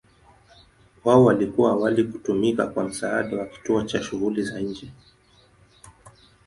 Wao walikuwa awali kutumika kwa msaada wa kituo cha shughuli za nje.